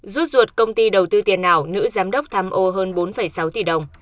rút ruột công ty đầu tư tiền ảo nữ giám đốc tham ô hơn bốn sáu tỷ đồng